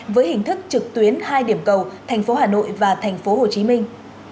với hình thức trực tuyến hai điểm cầu thành phố hà nội và thành phố hồ chí minh